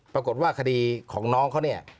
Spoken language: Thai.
ปรากฏว่าคดีของน้องเขาเนี่ย